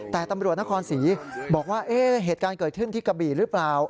แต่ตำรวจนครศรีบอกว่าเหตุการณ์เกิดขึ้นที่กระบี่หรือเปล่า